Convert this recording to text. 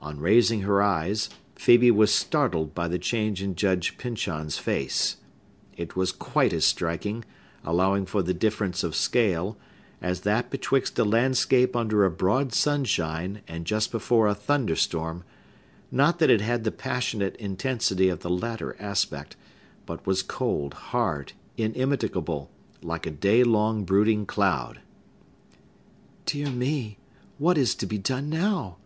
On raising her eyes, Phœbe was startled by the change in Judge Pyncheon's face. It was quite as striking, allowing for the difference of scale, as that betwixt a landscape under a broad sunshine and just before a thunder storm; not that it had the passionate intensity of the latter aspect, but was cold, hard, immitigable, like a day long brooding cloud. "Dear me! what is to be done now?"